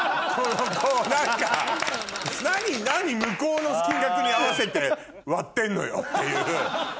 何何向こうの金額に合わせて割ってんのよっていう。